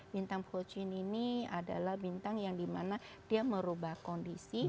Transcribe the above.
bintang pocin ini adalah bintang yang dimana dia merubah kondisi